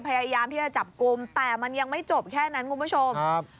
พยายามที่จะจับกลุ่มแต่มันยังไม่จบแค่นั้นคุณผู้ชมครับ